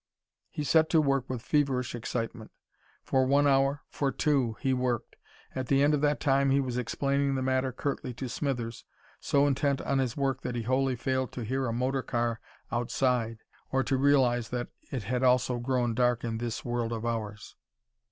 He set to work with feverish excitement. For one hour, for two he worked. At the end of that time he was explaining the matter curtly to Smithers, so intent on his work that he wholly failed to hear a motor car outside or to realize that it had also grown dark in this world of ours.